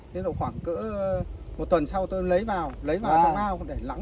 thế độ khoảng cỡ một tuần sau tôi lấy vào lấy vào trong ao để lắng